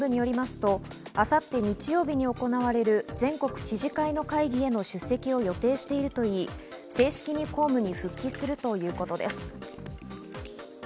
しかし、都庁幹部によりますと、明後日・日曜日に行われる全国知事会の会議への出席を予定しているといい、正式に公務に復帰するということです。